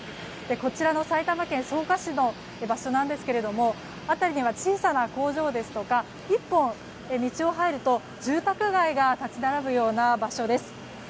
こちらの埼玉県草加市の場所ですが辺りには小さな工場ですとか一歩道を入ると住宅街が立ち並ぶような場所です。